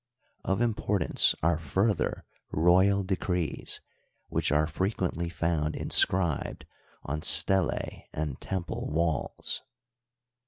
Of importance are further royal decrees, whicn are fre quently found inscribed on stelae and temple walls.